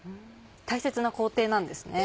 大切な工程なんですね。